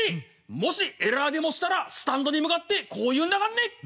もしエラーでもしたらスタンドに向かってこう言うんだかんね。